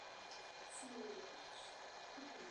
Mohou však vést také k problémům a deformacím.